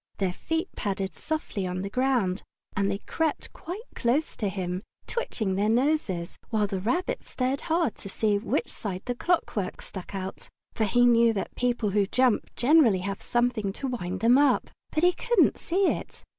Their feet padded softly on the ground, and they crept quite close to him, twitching their noses, while the Rabbit stared hard to see which side the clockwork stuck out, for he knew that people who jump generally have something to wind them up. But he couldn't see it.